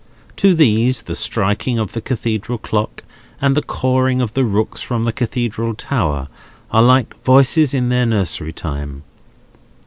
To these, the striking of the Cathedral clock, and the cawing of the rooks from the Cathedral tower, are like voices of their nursery time.